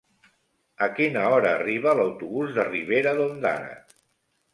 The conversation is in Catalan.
A quina hora arriba l'autobús de Ribera d'Ondara?